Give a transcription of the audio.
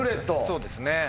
そうですね。